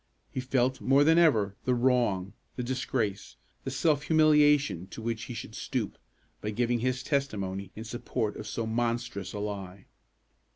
He felt, more than ever, the wrong, the disgrace, the self humiliation to which he should stoop, by giving his testimony in support of so monstrous a lie.